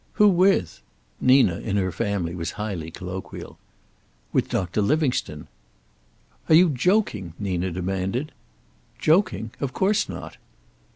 "Who with?" Nina in her family was highly colloquial. "With Doctor Livingstone." "Are you joking?" Nina demanded. "Joking? Of course not."